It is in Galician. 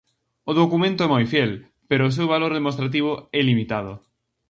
O documento é moi fiel, pero o seu valor demostrativo é limitado.